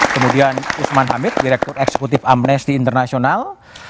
kemudian usman hamid direktur eksekutif amnesty international